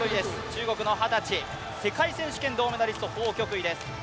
中国の二十歳、世界選手権銅メダリスト、彭旭イです。